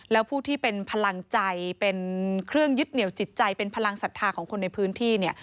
แล้วผู้ที่เป็นพลังใจเป็นเครื่องยึดเหนียวจิตใจเป็นพลังศรัทธาของคนในพื้นที่เนี่ย